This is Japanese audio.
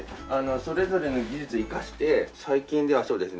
それぞれの技術を生かして最近ではそうですね